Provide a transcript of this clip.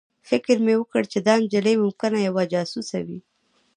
فکر مې وکړ چې دا نجلۍ ممکنه یوه جاسوسه وي